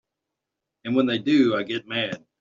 And when they do I get mad.